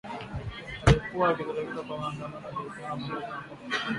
Alikuwa akizipeleka kwa wanamgambo wa Ushirika kwa Maendeleo ya Kongo katika mkoa wa Kobu.